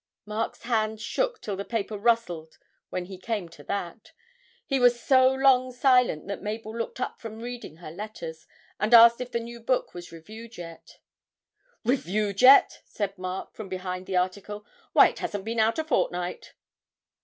Mark's hand shook till the paper rustled when he came to that; he was so long silent that Mabel looked up from reading her letters, and asked if the new book was reviewed yet. 'Reviewed yet!' said Mark from behind the article; 'why, it hasn't been out a fortnight.'